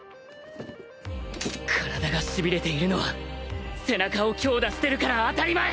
体がしびれているのは背中を強打してるから当たり前